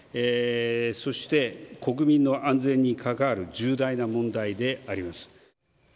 そして国民の安全に関わる重大な問題であります。